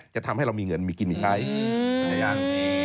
ชนะราสิมิถุน